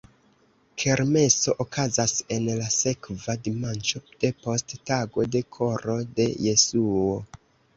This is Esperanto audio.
Kermeso okazas en la sekva dimanĉo depost tago de Koro de Jesuo.